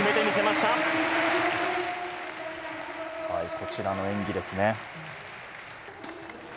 こちらの演技ですね。